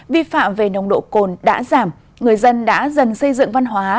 vi phạm về nồng độ cồn đã giảm người dân đã dần xây dựng văn hóa